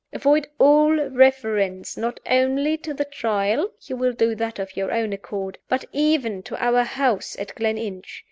Avoid all reference, not only to the Trial (you will do that of your own accord), but even to our house at Gleninch.